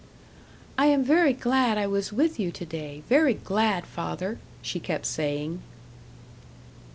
"I am very glad I was with you to day, very glad, father," she kept saying.